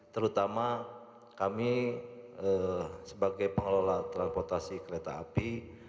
terutama kami sebagai pengelola transportasi kereta api